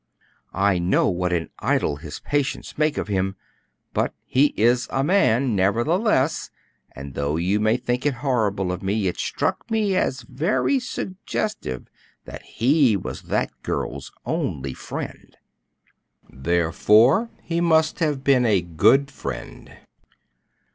"I know what an idol his patients make of him, but he is a man nevertheless; and though you may think it horrible of me, it struck me as very suggestive that he was that girl's only friend." "Therefore he must have been a good friend."